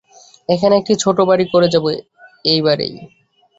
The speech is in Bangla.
এখানে একটি ছোট বাড়ি করে যাব এইবারেই।